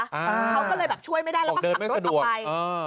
เขาก็เลยแบบช่วยไม่ได้แล้วก็ขับรถออกไป